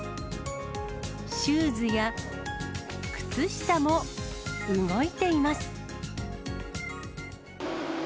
シューズや、靴下も動いています。